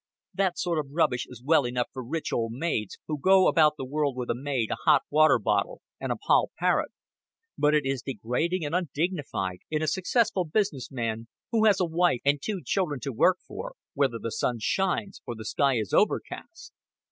That sort of rubbish is well enough for rich old maids who go about the world with a maid, a hot water bottle, and a poll parrot; but it is degrading and undignified in a successful business man who has a wife and two children to work for, whether the sun shines or the sky is overcast.